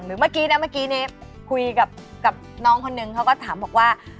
หรือเมื่อกี้เนธคุยกับหนองคนนึงเขาก็ถามว่า